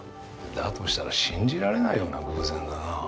だとしたら信じられないような偶然だな。